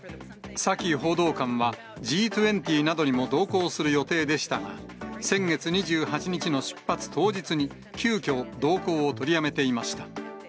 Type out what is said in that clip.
サキ報道官は、Ｇ２０などにも同行する予定でしたが、先月２８日の出発当日に急きょ、同行を取りやめていました。